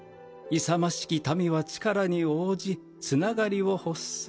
勇ましき民は力に応じつながりを欲す」。